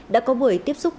đã có buổi tiếp xúc cử tri